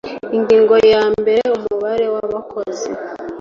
Ingingo ya mbere Umubare rw abakozi